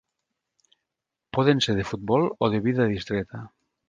Poden ser de futbol o de vida distreta.